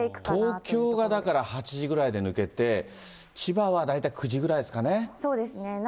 東京がだから、８時ぐらいで抜けて、千葉は大体９時ぐらいでそうですね。